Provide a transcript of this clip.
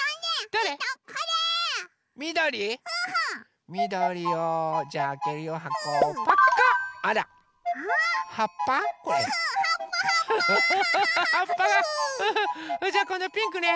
それじゃあこのピンクね。